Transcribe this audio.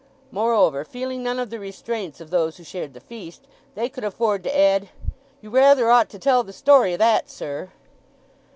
Moreover, feeling none of the restraints of those who shared the feast, they could afford to add, "You rather ought to tell the story o' that, sir!"